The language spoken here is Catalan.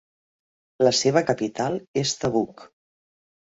La seva capital és Tabuk.